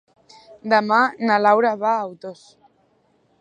Demà na Laura va a Otos.